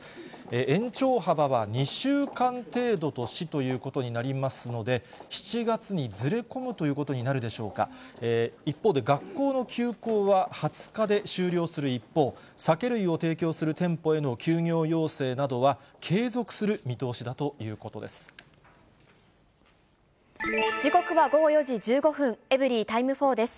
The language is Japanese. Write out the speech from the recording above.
延長幅は２週間程度としということになりますので、７月にずれ込むということになるでしょうか、一方で、学校の休校は２０日で終了する一方、酒類を提供する店舗への休業要請などは継続する見通しだというこ時刻は午後４時１５分、エブリィタイム４です。